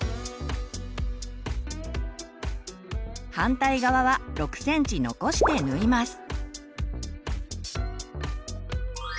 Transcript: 反対側は６ｃｍ残して縫います。